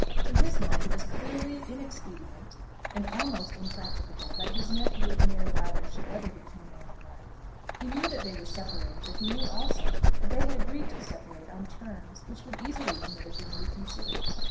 To his mind it was clearly inexpedient, and almost impracticable, that his nephew and Mary Lowther should ever become man and wife. He knew that they were separated; but he knew, also, that they had agreed to separate on terms which would easily admit of being reconsidered.